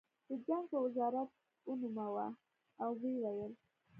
د جنګ په وزارت ونوموه او ویې ویل